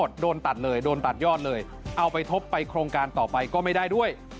โดนตัดเลยโดนตัดยอดเลยเอาไปทบไปโครงการต่อไปก็ไม่ได้ด้วย